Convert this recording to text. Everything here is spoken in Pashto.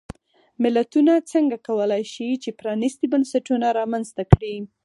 ملتونه څنګه کولای شي چې پرانیستي بنسټونه رامنځته کړي.